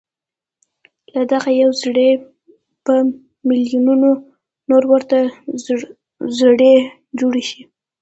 له دغه يوه زړي په ميليونونو نور ورته زړي جوړ شي.